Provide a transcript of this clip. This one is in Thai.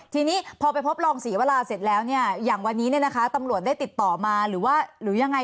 ทีนี้พอไปพบรองศรีวราเสร็จแล้วเนี่ยอย่างวันนี้เนี่ยนะคะตำรวจได้ติดต่อมาหรือว่าหรือยังไง